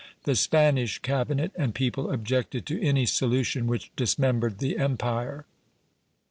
The Spanish cabinet and people objected to any solution which dismembered the empire.